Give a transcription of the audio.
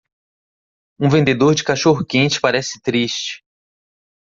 Um vendedor de cachorro-quente parece triste